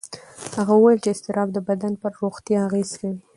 هغه وویل چې اضطراب د بدن پر روغتیا اغېز کوي.